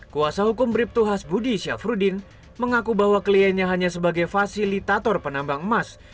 kuasa hukum brip tuhas budi syafrudin mengaku bahwa kliennya hanya sebagai fasilitator penambang emas